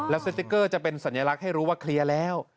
สติ๊กเกอร์จะเป็นสัญลักษณ์ให้รู้ว่าเคลียร์แล้ว